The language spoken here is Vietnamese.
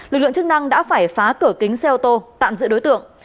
lực lượng chức năng đã phải phá cửa kính xe ô tô tạm giữ đối tượng